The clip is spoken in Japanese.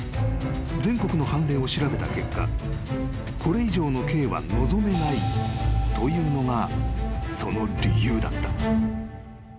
［全国の判例を調べた結果これ以上の刑は望めないというのがその理由だった］